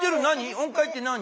音階って何？